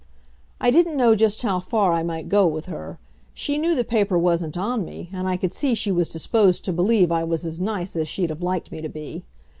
I didn't know just how far I might go with her. She knew the paper wasn't on me, and I could see she was disposed to believe I was as nice as she'd have liked me to be.